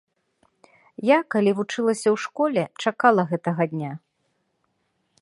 Я, калі вучылася ў школе, чакала гэтага дня.